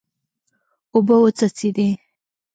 اوبه وڅڅېدې.